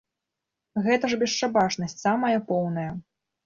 Гэта ж бесшабашнасць самая поўная!